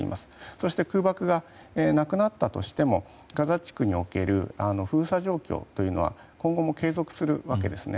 そして空爆がなくなったとしてもガザ地区における封鎖状況というのは今後も継続するわけですね。